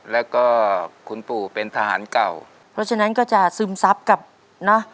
แล้วก็คุณปู่เป็นทหารเก่าเพราะฉะนั้นก็จะซึมซับกับนะ